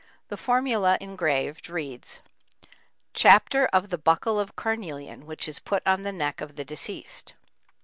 The formula engraved reads: Chapter of the buckle of carnelian which is put on the neck of the deceased.